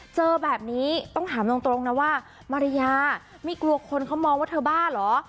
เจอแบบนี้ต้องถามตรงนะว่ามารยาไม่กลัวคนเขามองว่าเธอบ้าเหรอ